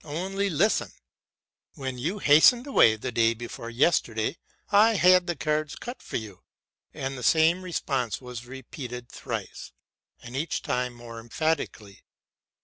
Only listen! When you hastened away, the day before yesterday, I had the cards cut for you; and the same response was repeated thrice, and each time more emphatically.